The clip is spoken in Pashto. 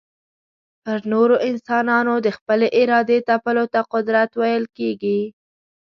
پر نورو انسانانو د خپلي ارادې تپلو ته قدرت ويل کېږي.